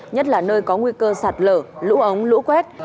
nhất là nơi có nguy cơ sạt lở lũ ống lũ quét